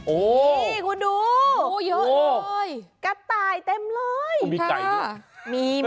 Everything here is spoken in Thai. โอ้โหคุณดูเยอะเลยกระต่ายเต็มเลยค่ะ